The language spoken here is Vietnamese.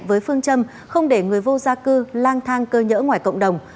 với phương châm không để người vô gia cư lang thang cơ nhỡ ngoài cộng đồng